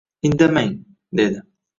— Indamang! — dedi.